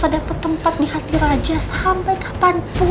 kamu nggak akan bisa dapat tempat di hati raja sampai kapantun